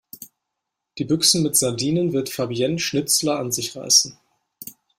Die Büchsen mit Sardinen wird Fabienne Schnitzler an sich reißen.